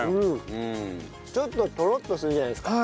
ちょっとトロッとするじゃないですか。